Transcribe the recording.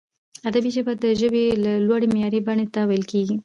ادبي ژبه د ژبي لوړي معیاري بڼي ته ویل کیږي.